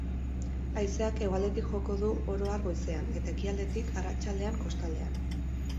Haizeak hegoaldetik joko du oro har goizean, eta ekialdetik arratsaldean kostaldean.